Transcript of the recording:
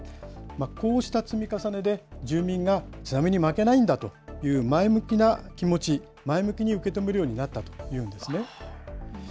こうした積み重ねで、住民が津波に負けないんだという前向きな気持ち、前向きに受け止めるようになったというんですね。